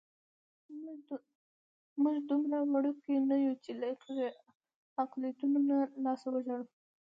موږ دومره وړوکي نه یو چې له اقلیتونو لاسه وژاړو.